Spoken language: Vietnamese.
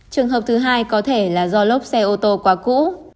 trường hợp thứ hai có thể là do lốp xe ô tô quá cũ